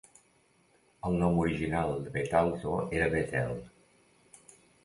El nom original de Bethalto era Bethel.